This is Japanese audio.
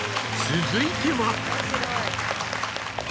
続いては。